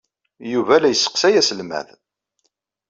Yuba la yesseqsay aselmad.